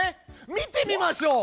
見てみましょう。